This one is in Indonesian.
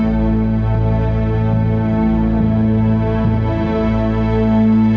aku akan bekerja saja sama si ibu kalau di sini